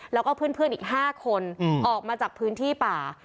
แล้วก็เพื่อนอีก๕คนออกมาจากพื้นที่ป่า